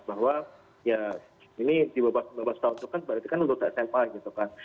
bahwa ya ini di bawah sembilan belas tahun itu kan berarti kan lurus sma gitu kan